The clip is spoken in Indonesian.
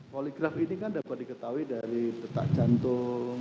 poligraf ini kan dapat diketahui dari detak jantung